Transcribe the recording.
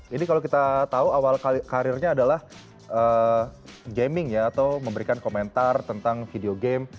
ini kalau kita tahu awal karirnya adalah gaming ya atau memberikan komentar tentang video game